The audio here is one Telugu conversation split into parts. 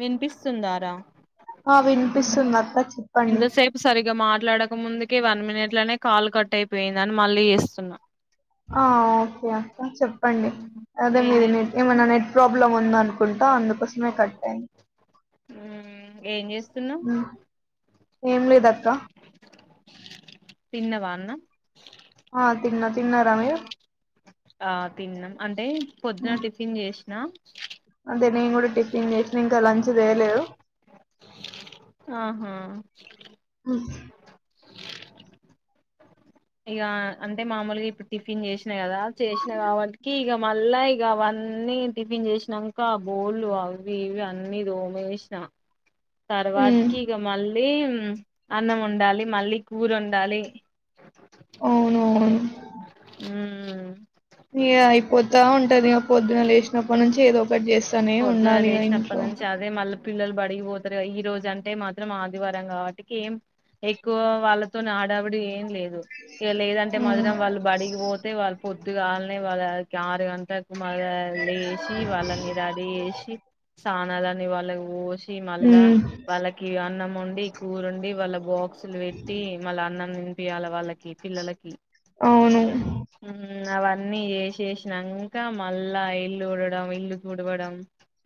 వినిపిస్తుందారా ఆ వినిపిస్తుంది అక్క చెప్పండి ఇంత సేపు సరిగ్గా మా మాట్లాడక ముందుకే వన్ మినిట్ లోనే కాల్ కట్ అయిపోయిందని మళ్ళీ చేస్తున్నా ఆ ఓ కే అక్క చెప్పండి అదే ఏం మీది నెట్ చేస్తున్నావ్ ఏమైనా నెట్ ప్రాబ్లమ్ [unintelligible] ఆ అందుకోసమే కట్ అయింది హుమ్ ఏం చేస్త న్నవ్ ఉమ్, ఏం లేదక్క తిన్నవా అన్నా ఆ తిన్న ఆ తిన్నాం అంటే పొద్దున టిఫిన్ చేసి నా అంతే నేను కూడా టిఫిన్ చేసిన ఇంకా లంచ్ చేయలేదు ఆహా [unintelligible] [unintelligible] ఇక అంటే మామూలుగా ఇప్పుడు టిఫిన్ చేసినా కదా చేసినా కాబట్టికి ఇక మళ్ళా ఇక అవన్నీ టిఫిన్ చేసినాక బోళ్ళు అవి ఇవి అన్ని తోమేసిన ఉమ్, తర్వాతకి ఇగ మళ్ల్ మళ్ళీ అన్నం వండాలి మళ్ళీ కూర వండాలి అవును అవును ఊ ఇగ అయిపోతా ఉంటదిక పొద్దున లేచినప్పటి నుంచి ఏదో ఒకటి చేస్తానే పొద్దున ఉండాలి ఇగ లేసినప్పటి ఇంట్లో నుంచి అదే మళ్ళీ పిల్లలు బడికి పో ఈరోజు అంటే మాత్రం ఆదివారం కాబట్టికి ఏం ఎక్కువ వాళ్ళతోనా హడావిడి ఏం లేదు ఇగ లేదంటే ఉమ్, మధురం వాళ్ళు బడిగిపోతే వాళ్ళు పొద్దుగాలనే వాళ్ళకి ఆరు గం టలకి మళ్ళ లేసి వాళ్ళని రెడీ చేసి సా నాదాన్ని వాళ్ళక్ పోషి మళ్ళా ఉమ్, వాళ్ళకి అన్నం ఒండి కూరొండి వాళ్ళ బాక్స్ క్స్ల లు పెట్టి మళ్ళ అన్నం పియ్యల వాళ్ళకి పిల్లలకి అవును ఇంగవన్నీ చేసేసినాంక మళ్ళా ఇల్లు ఉడవడం ఇల్లు తుడవడం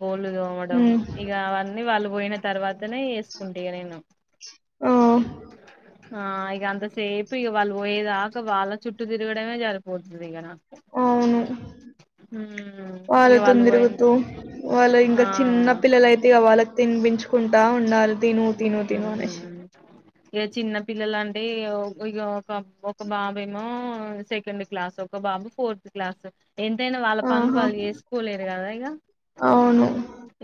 బోళ్ళు తోమడం ఉమ్, ఇగ అవన్ వాళ్ళుబోయిన్ తర్వాత్ తనే చెసుకుంటిగ నిను ఆ ఆ ఇగ అంతసేపు ఇగ వాళ్ళు పోయేదాకా వాళ్ళ చుట్టూ తిరుగడమే జరిపోతది ఇగ నాక్ అవును మ్మ్ ఇక వాళ్ళతోన్ వాళ్ళు పోయిన తిరుగుతూ ఆ వాళ్ళదింకా చిన్న పిల్లల అయితే ఇగ వాళ్ళక్ తినిపించుకుంటా ఉండాలి తిను తిను తిను అనేసి ఇగ చిన్న పిల్లలంటే ఇగ ఒక ఒక బాబేమో సెకండ్ క్లాస్ ఒక బాబు ఫోర్త్ క్లాస్ ఎంతైనా వాళ్ళ పనులు ఆహా వాళ్ళు చేసుకోలేరు కదా ఇగ అవును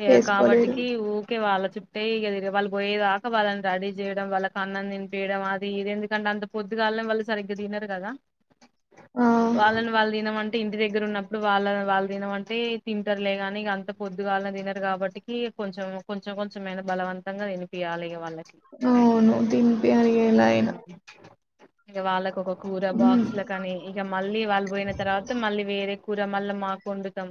ఇగ చేసుకోలేదు కాబట్టికి ఉక్ వాళ్ళ చుట్టే ఇగ వాళ్ళు పోయేదాక వాళ్ళని రెడీ చేయడం వాళ్ళకన్నం తినిపియడం అది ఎందుకంటే అంత పొద్దుగాల్నే వాళ్ళు సరిగ్గా తినరు కదా ఆ వాళ్ళని వాళ్ తినమన్ ఇంటి దగ్గర ఉన్నప్పుడు వాళ్ళద్ వాళ్ళు తినమంటే తింటారులే గానీ ఇగ అంత పొద్దుగాళ్ళు తినరు కాబట్టికి కొంచెం కొంచెం కొంచెమైన బలవంతంగా తినిపియాలి ఇగ వాళ్ళ అవును తినిపియాలీ ఇగ ఎలాగైనా ఉమ్ ఇగ వాళ్ళకొక కూర బాక్స్ ల కాని ఇగ మళ్ళీ వాళ్ళు పోయిన తర్వాత మళ్ళీ వేరే కూర మల్ల మాకొండుతాం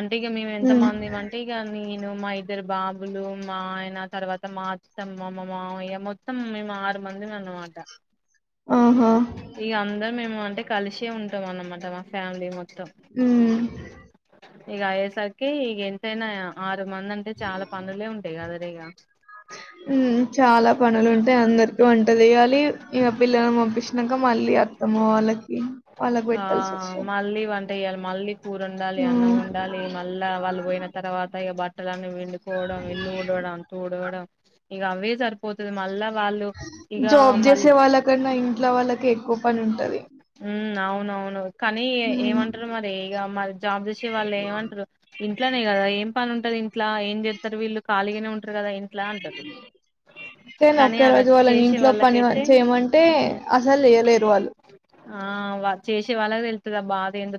అంటే ఇగ మేము ఎంత ఉమ్ మంది ఏమంటే ఇగ ని ను మా ఇద్దరు బా బులు మా ఆయన తర్వాత మా అత్తమ్మ మా మామయ్య మొత్తం మేము ఆరు మందిమి అన్నమాట ఆహా ఇగ అందర్ మేము అంటే కలిసే ఉంటాం అన్నమాట మా ఫ్యామిలీ మొ మ్ ఇగ అయ్యేసరికి ఇగ ఎంతైనా ఆర్ త మందంటే చాల హమ్ చాలా పనులు ఉంటాయి అందరికి వంట చేయాలి ఇగ పిల్లలను పంపించ్చునంక మళ్ళీ అత్తమ్మ వాళ్ళకి వాళ్ళకు ఆ పెట్టాల్సొస్తది మళ్ళీ వంట చేయాలి మళ్ళీ కూర వండాలి అన్నం హుమ్ వండాలి ట్టలన్ని పిండ్ ఇగ అవే సరిపోతాది మళ్ళా వాళ్ళు ఇక జాబ్ మళ్ చేసే వాళ్ళ కన్నా ఇంట్లో వాళ్లకే ఎక్కువ పని ఉంటది అవును అవును కానీ ఉమ్ ఏమంటారు మరి ఇక మరి జాబ్ చేసే వాళ్ళు ఏమంటారు ఇంట్లోనే కదా ఏం పని ఉంటాది ఇంట్ల ఏం చే తరు వీళ్లు ఖాళీ గానే ఉన్ కదా ఇంట్ల అంటారు కానీ ఒక్క ఆడ రోజు వాళ్ళని చేసే ఇంట్లో వాళ్లకి పని అయితే చేయమంటే ఉహు అసలు చేయలేరు వాళ్ళు ఆ చేసే వాళ్ళకి తెలుస్ తే బా [unintelligible] దేందు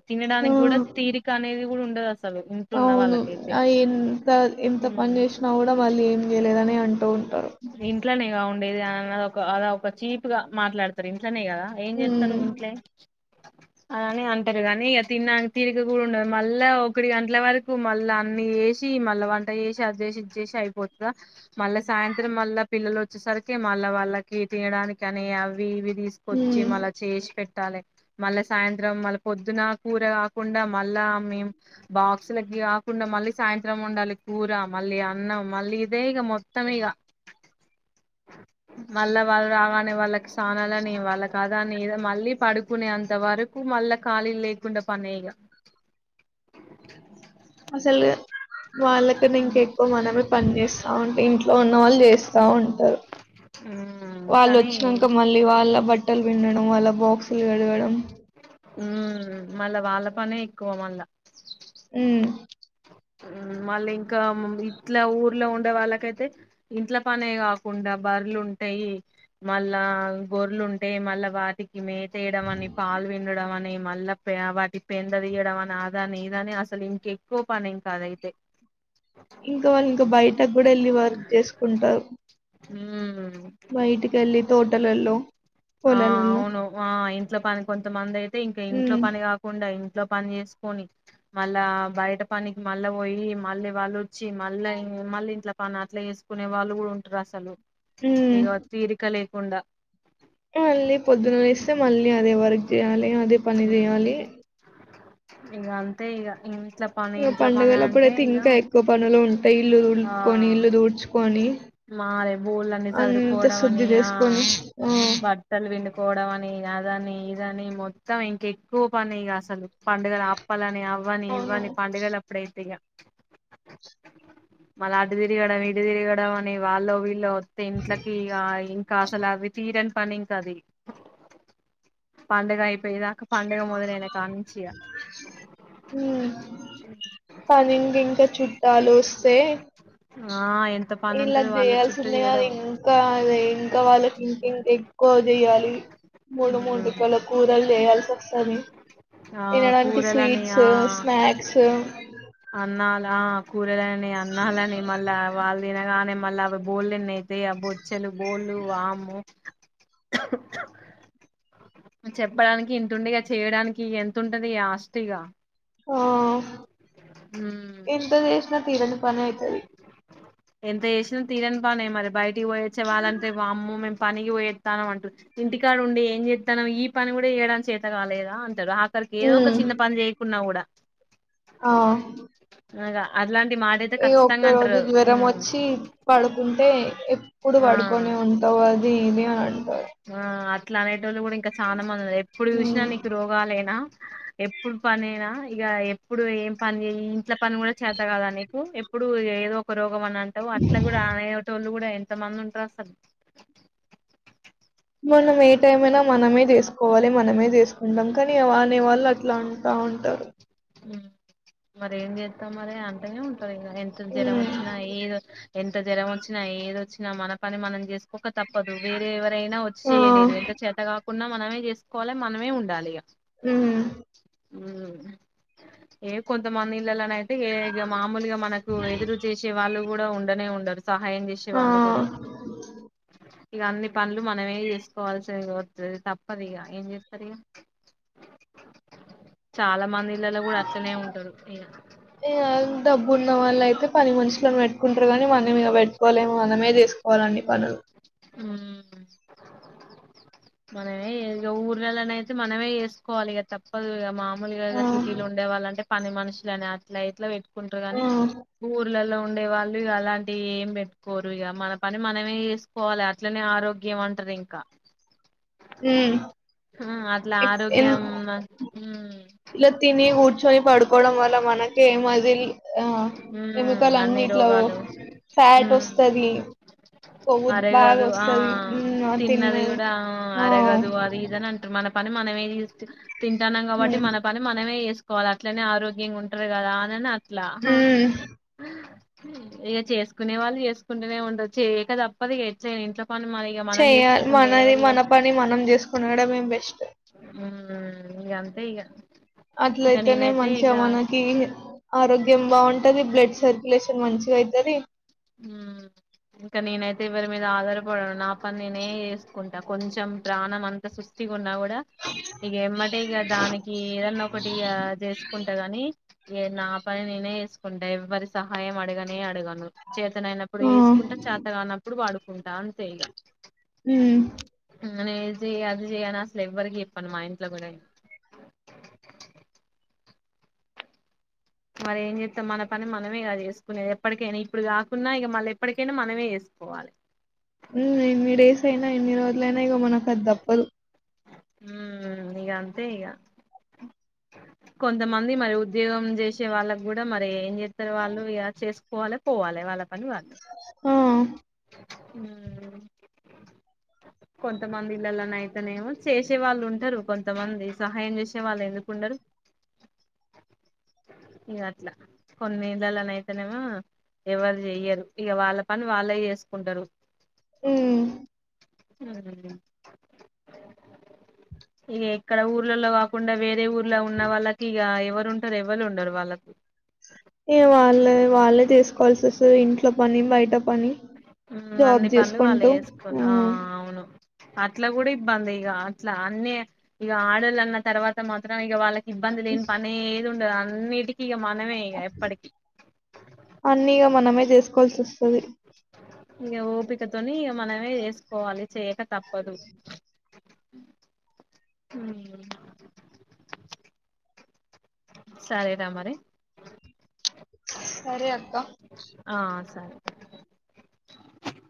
ఆ తినడానికి కూడా తీరిక అనేది కూడా ఉన్ అసలు ఉంటున్న అవును వాళ్లకైతే ఆ ఎంత ఎంత పని చేసినా కూడా వాళ్లు ఏం చెయ్యలేదనే అంటూ ఉంటారు ఇంట్లోనేగా ఉండేది అనా ఒక్క అలా ఒక్క చీప్ గా మాట్లాడతారు ఇన్ ఇంట్లోనే కదా ఏం ఉమ్ చేస్తారు ఇంట్లే అలానే అంటారు గానీ తినడానికి తీరిక కూడా ఉండదు మళ్ళా ఒక్కటి గంటల వరకు మళ్ళా అన్ని ఎసి మళ్ళా పన్ తయేసి అంత చేసి ఇంత చేసి అయిపోయిందా మళ్ళ సాయంత్రం మళ్ళ పిల్లలు వచ్చేసరికి మళ్ళా వాళ్ళకి తినడానికి అని అవి ఇవి తీసుకొచ్చి ఉమ్ మళ్ళ చేసి పెట్ ట్టలే మళ్ళ సాయంత్రం మళ్ళ పొద్దున కూర కాకుండా మళ్ళా మేం బాక్సులకి కాకుండా మళ్ళ సాయంత్రం వోండాలీ కూర మళ్ళీ అన్నం మళ్ళీ అదే ఇక మొత్తం ఇక మళ్ళా వాళ్ళు రావనే వాళ్ళకి ఉస్ తాన లానే వాళ్ళ కి ఆ దాని ఏదో మళ్లీ పడుకునేంత వరకు మల్ల ఖాళీలు లేకుండా పనే ఇక అసలు వాళ్లకన్నా ఇంకే ఎక్కువ మనమే పని చేస్తా ఉంటే ఇంట్లో ఉన్నవాళ్ళు చేస్ తావుంటారు ఉమ్ వాళ్ళు కానీ వచ్చి నంక మళ్ళీ వాళ్ళ బట్ బట్టలు పిండడం వాళ్ల బాక్సులు కడగడం ఉ మళ్ళా వాళ్ళ పనే ఎక్కువ మళ్ళా ఊ యూ మళ్ళీ ఇంకా ఇట్ల ఊర్లో ఉండే వాళ్ళకైతే ఇంట్ల పనే కాకుండా బర్రెలు ఉంటాయి మళ్ళా గొర్రలు ఉంటాయి మళ్ళా వాటిక్ ఇవే చెయ్యడం అని పాలు పిండడం అని మళ్ళా పే వాటి పెండ తీయడం అని ఆదని ఇదని అసలు ఇంకె ఎక్కువ పని ఇంకా ఆది అయి తే ఇంకా వాళ్ళు ఇంకా బయటకు కూడా వెళ్లి వర్క్ చేసుకుంటారు హు బయట కేళ్లి తోటలల్లో ఆ పొలల్నో అవును ఆ ఇంట్లో పని కొంత మందే అయితే ఇంకా ఇంట్లో పని కాకుండా ఇం ఇంట్లో పని చేసుకొని మళ్ళా బయట పని కి మళ్ళ ఓ పోయి మళే వాళ్ళుొచ్చి మళ్ళ మళ్ళీ ఇంట్లో పని అట్లా చేేసుకునే వాళ్ళు కూడా ఉంట్రు అసలు హ్మ్ ఇగో తీరిక లేద్ కుండ మళ్ళీ పొద్దున్ లేగిస్తే మళ్ళీ అదే వర్క్ చేయాలి అదే పని చేయాలి ఇగ అంతే ఇగ మ్ ఇంట్ల పని ఇంట్లప్ పండగల అప్పుడు అయితే ఇంకా ఎక్కువ పనులు ఉంటాయి ఇల్లు ఆ దులుపుకొని ఇల్లు దూడ్చుకొని మారే బోళ్ళు అన్ని అంత చదురుకోవడం శుద్దిి అని చేసుకొని ఆ కోవడం అని అదని ఇదని మొత్తం ఇంక ఎక్కువ పని ఇగ అసల్ పండుగలు అప్పాలని అవ్వని అవును ఇవ్వని పండుగలప్ [inaudible] మళ్ళ అటు తిరగడం ఇటు తిరగడం అని వాళ్ళు వీళ్ళు దే ఇంట్లకి అ ఇంకా అసల అవి తీరన్ పని ఇంకా అది పండగ అయి ఇ ఏదాక పండగ మొదలైన కాడ్ నుంచి ఇగ పనింది ఇంకా చుట్టాలు ఉస్తే ఆ [inaudible] ఇలా ఉంటది వాళ్ళ చేయాల్సి చుట్టూ ఉంది కానీ చేయడం ఇంకా అదే ఇంకా వాళ్ళకి ఇంక్ ఇంక్ ఎక్కువ చేయాలి మూడు ఉమ్ మూడుకల కూరలు చేయాల్సి వస్తది ఆ తినడానికి కూరలని స్వీట్స్ ఆ స్నాక్స్ తాహ్ నాకున్ [inaudible] అన్నాలని మళ్ళ వాళ్ళ తినగానే మళ్ళా అవి బోల్లే న్నయి దే ఆ బొచ్చలు బోల్డ్ వామ్మె చెప్పడానికి ఇంతఉండిగా చేయడానికి ఎంత ఉంటది ఆస్టీగా ఆ ఉమ్ ఇంత జేషిన తీరని పని అయితది ఎంత చేసినా తీరని బనే మరి బయ్ ట్ డివైడ్స్ ఇవ్యాలంటే వామ్మో మేమ్ పనికి పోయేస్తాను అంటుంది ఇంటికాడ ఉండి ఏం చేస్తానని ఈ పని కూడా చేయడానికి చేత కాలేదా అని తదా ఆఖరికి ఏదో ఒక ఉమ్ చిన్న పని చేయకున్నా కూడా ఆవు అనగ అట్లాంట్ ఈ ఒక్క రోజు జ్వరం వచ్చి పడుకుంటే ప్పుడు ఆ పడుకొని ఉంటావు అది ఇది అని అంటారు ఆ అట్లా నే రోు కూడా ఇంకా చాలా మంది ఉన్నారు ఎప్పుడు చూసినా ఉమ్ నీకు రోగాలునా ఎప్పుడు పని అయినా ఇక ఎప్పుడు ఏం పని ఇంట్ల పని కూడా చేత కదా నీకు ఎప్పుడు ఏదో ఒకరు ని అంటావు అట్లా కూడా తనేటోళ్లు కూడా ఎంతమంది ఉంటారు అసలు మనం ఏ టైం అయినా మనమే చేసుకోవాలి మనమే తీసుకుంటాం కానీ అనే వాళ్ళు అట్లా అంటా ఉంటారు హ్మ్ మర ఏం చేస్తాం మరి అంటనే ఉంటురు నా ఎంత జ్వరం ఉమ్, వచ్చినా ఏదో ఎంత జ్వరం వచ్చినా ఏది వచ్చినా మన పని మనం చే ఒొ తప్పదు వేరే ఎవరైనా వచ్చి ఆ చేయలేరు ఎంత చేత కాకుండా మనమే చేసుకోవాలి మనమే ఉండాలి ఉమ్ ఉ ఏ కొంతమంది పిల్లల అయితే మామూలుగా మనకు ఎదురు చేసే వాళ్ళు కూడా ఉండనే వుండదు సహాయం చేసే ఆ వాళ్ళు కూడా ఇక అన్ని పనులు మనమే చేసుకోవాల్సి వతు తప్పదు ఇక ఏం చేస్తారు ఇక చాలా మంది పిల్లలు కూడా అట్లనే ఉంటారూ ఇలా ఇగ డబ్బు ఉన్న వాళ్ళ అయితే పని మనుషులను పెట్కుంటారు కానీ మనం కోలేము మనమే చేసుకోవాలి అన్ని పనులు హ్మ్ మనమే ఇ ఊర్ వెెళన అయితే మనమే వేసుకోవాలి ఇక తప్పదు కదా మా ఆ మాములుగ సిటీలో ఉండే వాళ్ళ అంట పనీ మనుషులు అట్లా అట్లా ఎట్లా కుంటారుగాని ఆ ఊర్లలో ఉండే వాళ్ళు ఇ అలాంటివి ఏం పెట్టుకోరు ఇక మన పని మనమే చేేసుకోవాలి ఇట్లనే ఆరోగ్యం అంటాది ఇంకా ఉమ్ హ అట్లా ఆరోగ్యం హ్మ్ ఇట్లా తిని కూర్చొని పడుకోవడం వల్ల మనకి మది ఎెమికల్ ఉమ్ అన్ని ఇట్లా రోగాలు ఫ్యాట్ ఉమ్ వస్తుది కొవ్వు బాగా వస్తుది హ్మ్ తిన్నది ద ఆ అరగదు అది ఇదనే అంటారు మన పని మనమే చెస్తే తింటాన్నాం మ్మ్ కాబట్టి మన పని మనమే చేసు వాలి అట్లనే ఆరోగ్యంగా ఉంటారు కదా అనీ లా మ్మ్ ఇక చేసుకునే వాళ్ళు చేసుకుంటూనే ఉండొచ్చు చేయక తప్పదు ఇగ ఎట్లైనా ఇంట్లో పని మదేగ మనం చెయ్యాలి చేసుకోకుంటే మనది ఎవరు మన చేస్తారు పని మనం చేసుకోవడమే బెస్ట్ ఉమ్ ఇగ అంతే ఇగ అట్లయితేనే మంచిగా మనకి ఆరోగ్యం బాగుంటది బ్లడ్ సర్క్యులేషన్ మంచిగా అయితది ఉమ్ ఇంకా నేనైతే ఎవరి మీద ఆధారపడను నా పని నేనే చేసుకుంటా నా కొంచెం ప్రాణం అంతా సుష్తిగా ఉన్నా కూడా ఇక ఎమ్మటె దానికి ఏదన్న ఒకటిగా చేసుకుంటా గాని ఏ నా పని నేనే చేసుకుంట ఎవ్వరి సహాయం అడగనే అడగాను చేతన అయినప్పుడు ఆ చేసుకుంటా చాత కానప్పుడు పడుకుంటా తాను చేయగా మ్మ్ నేను ఇది చెయ్ అది చెయ్ అని అసలు ఎవ్వరికి చెప్పను మా ఇంట్లో గూడా మరి ఏం చేత్తం మన పని మనమే గా చేసుకునేది ఎప్పటికైనా ఇప్పుడు కాకున్నా ఇక మళ్ళీ ఎప్పటికైనా మనమే చేస్కోవాలి ఎన్ని డేస్ అయినా ఎన్ని రోజుల అయినా ఇగ మనకది దప్పదు ఇగ అంతే ఇగ కొంతమంది మరి ఉద్యోగం జేసి వచ్చే వాళ్ళకి కూడ మరి ఏం ఇద్దరు వాళ్ళు ఇగ చేస్ పోవాలె పోవాలె వాళ్ళ పనివాళ్ళది ఆ కొంతమంది ఇళ్లల నయితేనేమో చేసే వాళ్లుంటరు కొంతమంది సహాయం చేసే వాళ్ళు ఎందుకు ఉండరు ఇగ అట్లా కొన్నిళ్ళలోనైతేనేమో ఎవరు చెయ్యరు ఇక వాళ్ళ పని వాళ్ళే చేసుకుంటారు [inaudible] మ్మ్ ఇగ ఏక్కడ ఊర్లలో గాకుండా వేరే ఊరు లా ఉన్న వాళ్ళకి ఇగ ఎవరుంటారు ఎ ఎవళ్లుండరు వాళ్ళకు ఇగ వాళ్ళే వాళ్ళే చేసుకోవాల్సి వస్తది ఇంట్లో పని బయట పని జాబ్ అన్ని పనులు వాళ్ళు చేసుకుంటూ చేసుకొని ఆ మ్ అవును అట్లా కూడా ఇబ్బంది ఇగ అట్లా అన్నీ ఇగ ఆడల్ల తర్వాత మాత్రం ఇగ వాళ్ళకి ఇబ్బంది లేని పనేది ఉండదు అన్ని ఇప్పటికీ ఇగ మనం అన్నీగా మనమే చెస్ కోల్సి వస్తది ఇగ ఓపికతోని ఇగ మనమే చేసుకోవాలి చేయక తప్పదు ఊమ్ సరే రా మరి సరే అక్క ఆ సరే